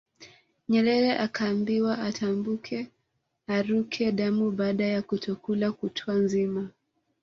Nyerere akaambiwa atambuke aruke damu baada ya kutokula kutwa nzima